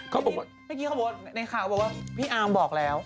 เขาบอกว่าเมื่อกี้เขาบอกว่าในข่าวเขาบอกว่าพี่อาร์มบอกแล้ว